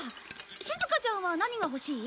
しずかちゃんは何が欲しい？